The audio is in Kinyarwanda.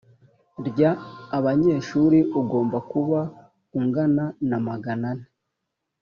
rya abanyeshuri ugomba kuba ungana namagana ane